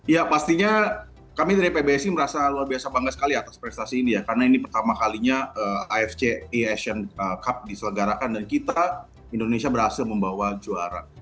ya pastinya kami dari pbsi merasa luar biasa bangga sekali atas prestasi ini ya karena ini pertama kalinya afc asian cup diselenggarakan dan kita indonesia berhasil membawa juara